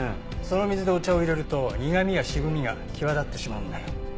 その水でお茶を淹れると苦みや渋みが際立ってしまうんだよ。